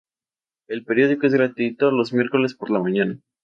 El periódico es gratuito los miércoles por la mañana